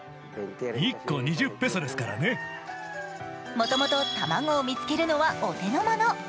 もともと卵を見つけるのはお手のもの。